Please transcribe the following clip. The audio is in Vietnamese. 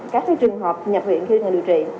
các cái trường hợp nhập viện khi người điều trị